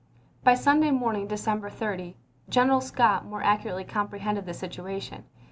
By Sunday morning, December 30, General Scott more accurately comprehended the situa tion.